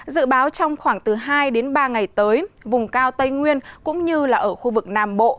dự báo trong khoảng từ hai đến ba ngày tới vùng cao tây nguyên cũng như là ở khu vực nam bộ